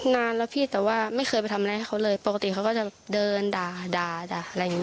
นานแล้วพี่แต่ว่าไม่เคยไปทำอะไรให้เขาเลยปกติเขาก็จะเดินด่าด่าอะไรอย่างนี้